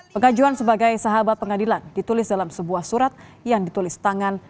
pengajuan sebagai sahabat pengadilan ditulis dalam sebuah surat yang ditulis tangan